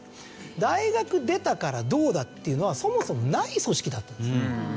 大学出たからどうだっていうのはそもそもない組織だったんですね。